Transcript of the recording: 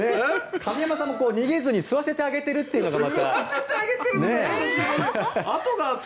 上山さんも逃げずに吸わせてあげてるというのが。